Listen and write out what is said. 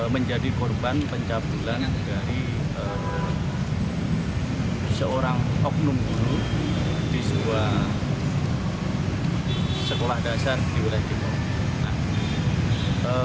menjadi korban pencabulan dari seorang oknum guru di sebuah sekolah dasar di wilayah timur